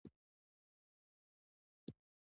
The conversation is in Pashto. آیا د کار بازار یې منظم نه دی؟